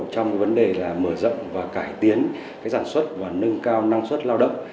đây là mở rộng và cải tiến sản xuất và nâng cao năng suất lao động